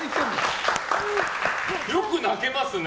よく泣けますね。